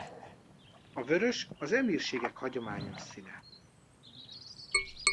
A vörös az emírségek hagyományos színe.